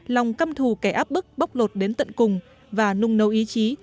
lòng căm thù kẻ áp bức bóc lột đến tận cùng và nung nấu ý chí